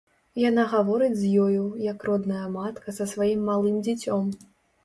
Яна гаворыць з ёю, як родная матка са сваім малым дзіцем.